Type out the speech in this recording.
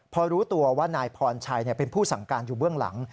พอรู้ตัวว่านายพรชัยเป็นผู้สั่งการอยู่เบื้องหลัง